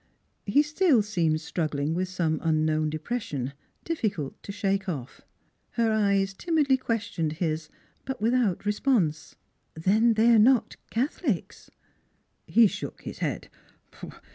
He still seemed struggling with some unknown depression, difficult to shake off. Her eyes tim idly questioned his, but without response. " Then they are not Catholics? " He shook his head.